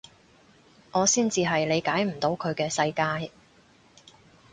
我先至係理解唔到佢嘅世界